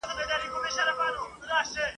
د جنګ منځ ته به ور ګډ لکه زمری سو !.